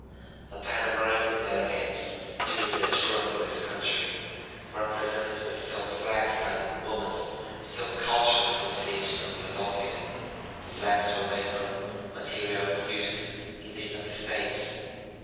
The Pan American delegates during their tour through this country were presented with silk flags by the Woman's Silk Culture Association of Philadelphia. The flags were made from material produced in the United States.